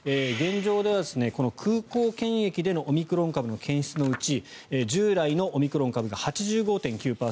現状では空港検疫でのオミクロン株の検出のうち従来のオミクロン株が８５．９％。